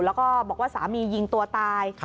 แล้วก็บอกว่าสามียิงตัวตาย